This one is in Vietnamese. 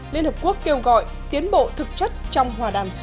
liên hợp quốc kêu gọi tiến bộ thực chất trong hòa đàm